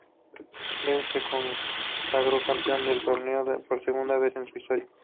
Lanús se consagró campeón del torneo por segunda vez en su historia.